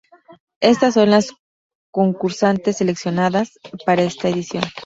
Estas son las concursantes seleccionadas para esta edición.